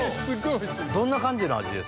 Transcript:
どんな感じの味ですか？